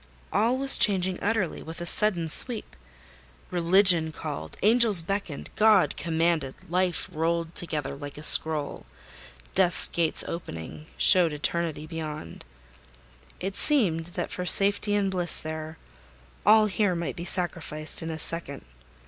All was changing utterly with a sudden sweep. Religion called—Angels beckoned—God commanded—life rolled together like a scroll—death's gates opening, showed eternity beyond: it seemed, that for safety and bliss there, all here might be sacrificed in a second.